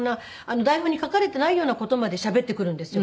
台本に書かれてないような事までしゃべってくるんですよ。